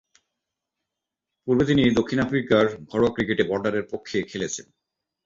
পূর্বে তিনি দক্ষিণ আফ্রিকার ঘরোয়া ক্রিকেটে বর্ডারের পক্ষে খেলেছেন।